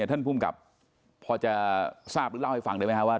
ท่านผู้มกรรมพอจะทราบหรือเล่าให้ฟังได้มั้ยครับว่า